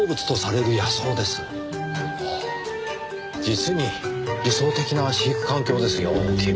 実に理想的な飼育環境ですよ君。